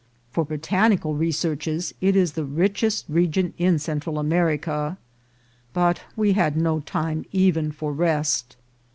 For botanical researches it is the richest re gion in Central America. But we had no time even for rest.